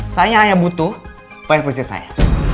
saya hanya butuh privasi saya